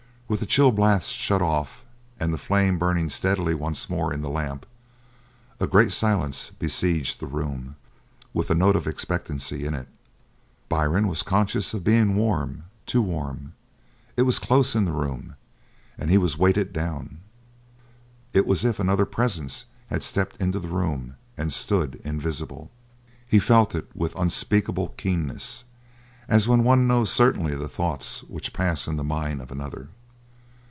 With the chill blast shut off and the flame burning steadily once more in the lamp, a great silence besieged the room, with a note of expectancy in it. Byrne was conscious of being warm, too warm. It was close in the room, and he was weighted down. It was as if another presence had stepped into the room and stood invisible. He felt it with unspeakable keenness, as when one knows certainly the thoughts which pass in the mind of another.